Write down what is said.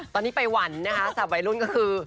ตอนนี้ไปหวั่นนะคะสับวัยรุ่นก็คือ